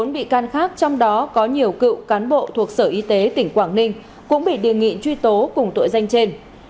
một mươi bị can khác trong đó có nhiều cựu cán bộ thuộc sở y tế tỉnh quảng ninh cũng bị đề nghị truy tố cùng tội danh trên